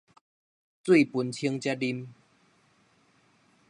水歕清才啉